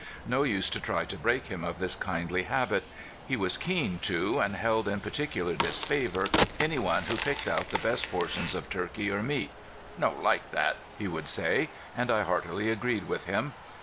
No use to try to break him of this kindly habit! He was keen too, and held in particular disfavor any one who picked out the best portions of turkey or meat. "No like that," he would say; and I heartily agreed with him.